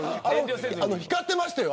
光ってましたよ